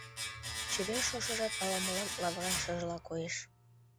Чевер шошыжат ала-молан лавыран шыжыла коеш.